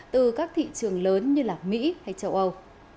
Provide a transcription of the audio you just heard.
từ các thị trường lớn như mỹ hay châu âu